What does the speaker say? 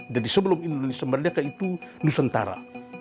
jadi sebelum indonesia merdeka itu nusantara